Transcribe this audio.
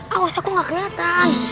awas aku nggak kelihatan